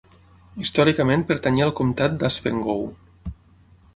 Històricament pertanyia al comtat d'Haspengouw.